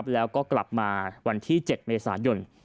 แล้วก็กลับมาวันที่๗เมษายน